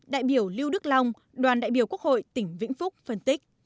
đại biểu lưu đức long đoàn đại biểu quốc hội tỉnh vĩnh phúc phân tích